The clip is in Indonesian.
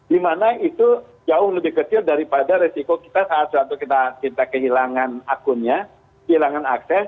dimana itu jauh lebih kecil daripada resiko kita saat suatu kita kehilangan akunnya kehilangan akses